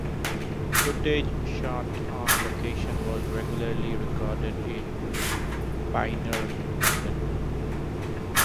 Footage shot on-location was regularly recorded in Pinner, London.